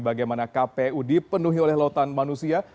bagaimana kpu dipenuhi oleh lautan manusia